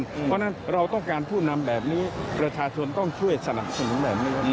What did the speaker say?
เพราะฉะนั้นเราต้องการผู้นำแบบนี้ประชาชนต้องช่วยสนับสนุนแบบนี้